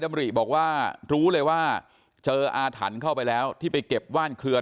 ดำริบอกว่ารู้เลยว่าเจออาถรรพ์เข้าไปแล้วที่ไปเก็บว่านเครือ